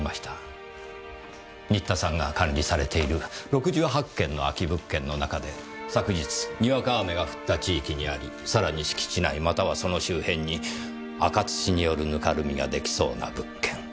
新田さんが管理されている６８件の空き物件の中で昨日にわか雨が降った地域にありさらに敷地内またはその周辺に赤土によるぬかるみが出来そうな物件。